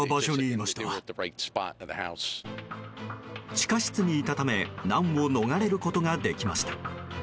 地下室にいたため難を逃れることができました。